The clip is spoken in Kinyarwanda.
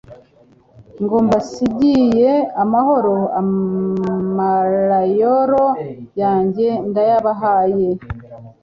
ngo: «Mbasigiye amahoro, amalaoro yanjye ndayabahaye :